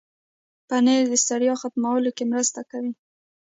پنېر د ستړیا ختمولو کې مرسته کوي.